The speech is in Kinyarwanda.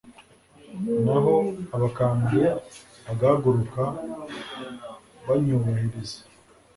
naho abakambwe bagahaguruka banyubahiriza